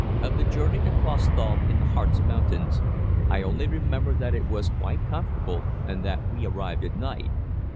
Of the journey to Clausthal, in the Harz Mountains, I only remember that it was quite comfortable, and that we arrived at night.